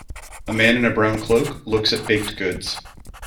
A man in a brown cloak looks at baked goods.